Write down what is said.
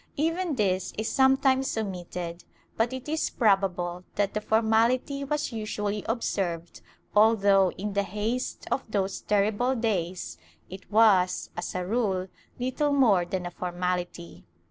Even this is sometimes omitted, but it is probable that the formality was usually observed although, in the haste of those terrible days, it was, as a rule, little more than a formality.